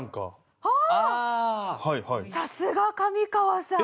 さすが上川さん！